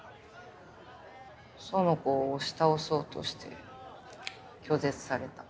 苑子を押し倒そうとして拒絶された。